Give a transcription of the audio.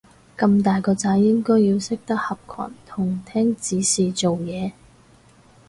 咁大個仔應該要識得合群同聽指示做嘢